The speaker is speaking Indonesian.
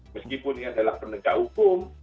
meskipun ini adalah penegak hukum